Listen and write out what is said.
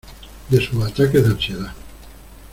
de sus ataques de ansiedad.